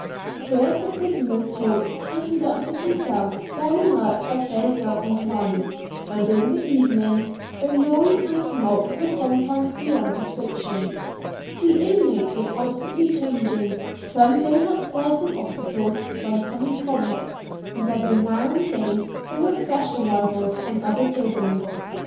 Here the prisoners talked and conducted themselves very much as they felt inclined, and in the evenings the noise and tumult was sometimes beyond description. The inmates were constantly changing, some going upstairs to hospital, some coming from it, and every now and again there were fresh arrivals from other prisons.